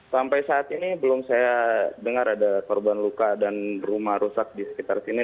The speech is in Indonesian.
sampai saat ini belum saya dengar ada korban luka dan rumah rusak di sekitar sini